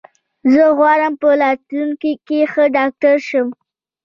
زه غواړم په راتلونکې کې ښه ډاکټر شم.